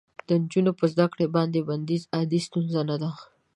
د نجونو په زده کړو باندې بندیز عادي ستونزه نه ده.